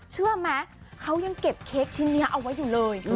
เชื่อไหมเขายังเก็บเค้กชิ้นนี้เอาไว้อยู่เลย